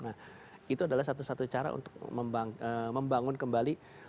nah itu adalah satu satu cara untuk membangun kembali